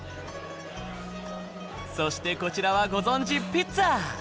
そしてこちらはご存じピッツア。